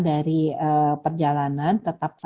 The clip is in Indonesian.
dari perjalanan tetap